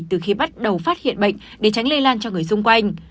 từ khi bắt đầu phát hiện bệnh để tránh lây lan cho người xung quanh